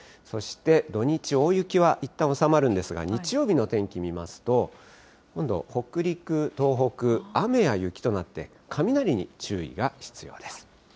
そして土日、大雪はいったん収まるんですが、日曜日の天気見ますと、今度、北陸、東北、雨や雪となって、雷に注意が必要です。